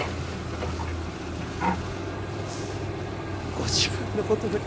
ご自分のことより、